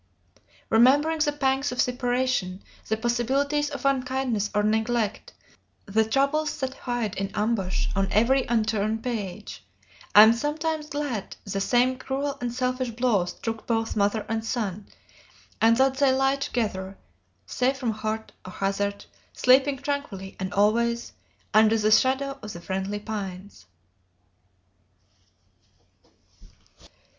Remembering the pangs of separation, the possibilities of unkindness or neglect, the troubles that hide in ambush on every unturned page, I am sometimes glad that the same cruel and selfish blow struck both mother and son, and that they lie together, safe from hurt or hazard, sleeping tranquilly and always, under the shadow of the friendly pines."